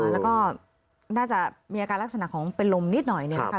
แล้วก็น่าจะมีอาการลักษณะของเป็นลมนิดหน่อยเนี่ยนะคะ